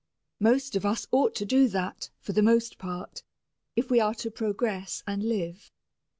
Most of us ought to do that, for the most part, if we are to progress and live.